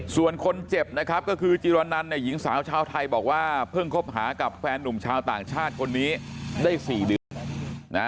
ส่วนคนเจ็บนะครับก็คือจิรนันเนี่ยหญิงสาวชาวไทยบอกว่าเพิ่งคบหากับแฟนหนุ่มชาวต่างชาติคนนี้ได้๔เดือนนะ